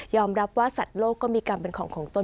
รับว่าสัตว์โลกก็มีกรรมเป็นของของตน